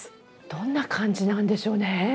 どんな感じなんでしょうね？